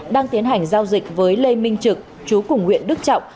đang tiến hành giao dịch với lê minh trực chú cùng huyện đức trọng